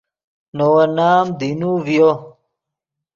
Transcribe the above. نے ون نام دینو ڤیو